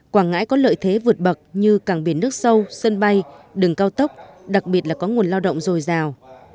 quảng ngãi có lợi thế vượt bậc như cảng biển nước sâu sân bay đường cao tốc đặc biệt là có nguồn lao động dồi dào